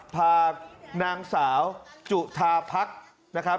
ภาคนางสาวจุธาพรรคนะครับ